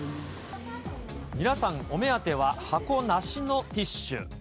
皆さん、お目当ては箱なしのティッシュ。